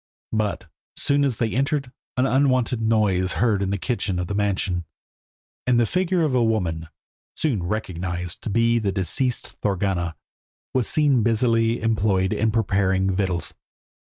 But, so soon as they entered, an unwonted noise was heard in the kitchen of the mansion, and the figure of a woman, soon recognised to be the deceased Thorgunna, was seen busily employed in preparing victuals.